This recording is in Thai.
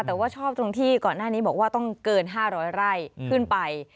แต่ว่าชอบตรงที่ก่อนหน้านี้บอกว่าต้องเกิน๕๐๐ไร่ขึ้นไป